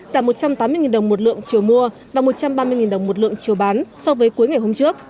giảm một trăm tám mươi đồng một lượng chiều mua và một trăm ba mươi đồng một lượng chiều bán so với cuối ngày hôm trước